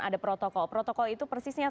ada protokol protokol itu persisnya